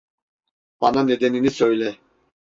Bana nedenini söyle.